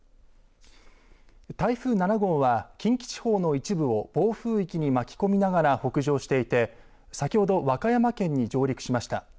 台風７号は近畿地方の一部を暴風域に巻き込みながら北上していて先ほど和歌山県に上陸しました。